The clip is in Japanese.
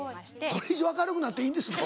これ以上明るくなっていいんですか？